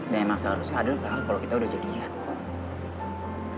dan emang seharusnya adel tau kalau kita udah jadian